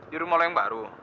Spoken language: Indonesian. di rumah yang baru